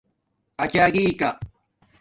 اچݳگی کا